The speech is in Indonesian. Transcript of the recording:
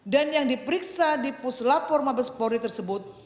dan yang diperiksa di puslap forma bespori tersebut